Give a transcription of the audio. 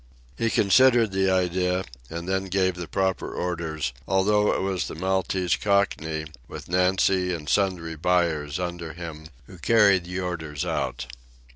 He considered the idea, and then gave the proper orders, although it was the Maltese Cockney, with Nancy and Sundry Buyers under him, who carried the orders out.